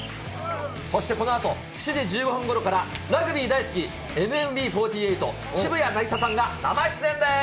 そしてこのあと、７時１５分ごろから、ラグビー大好き、ＮＭＢ４８・渋谷凪咲さんが生出演です。